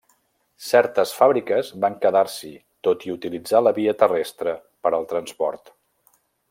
Certes fàbriques van quedar-s'hi, tot i utilitzar la via terrestre per al transport.